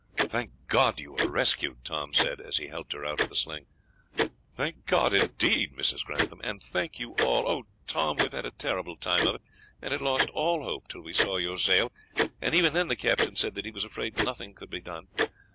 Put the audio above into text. "Thank God, you are rescued!" Tom said, as he helped her out of the sling. "Thank God, indeed," Mrs. Grantham said, "and thank you all! Oh, Tom, we have had a terrible time of it, and had lost all hope till we saw your sail, and even then the captain said that he was afraid nothing could be done.